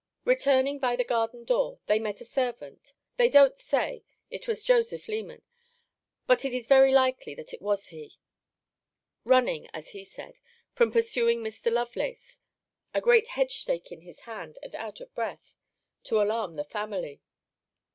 Returning by the garden door, they met a servant [they don't say, it was Joseph Leman; but it is very likely that it was he] running, as he said, from pursuing Mr. Lovelace (a great hedge stake in his hand, and out of breath) to alarm the family.